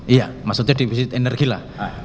iya maksudnya defisit energi lah